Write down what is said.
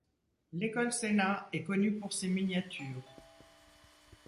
L'école Sena est connue pour ses miniatures.